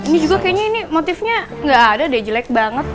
ini juga kayaknya ini motifnya nggak ada deh jelek banget